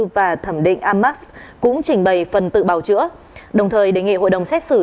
và thẩm định amax cũng trình bày phần tự bào chữa đồng thời đề nghị hội đồng xét xử